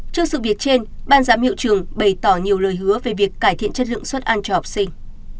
trước sự việc trên ban giám hiệu trường bày tỏ nhiều lời hứa về việc cải thiện chất lượng suất ăn cho học sinh